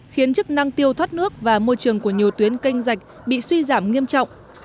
khiến chức năng tiêu thoát nước và môi trường của nhiều tuyến kênh dạch bị suy giảm nghiêm trọng